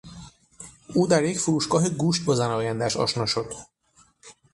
او در یک فروشگاه گوشت با زن آیندهاش آشنا شد.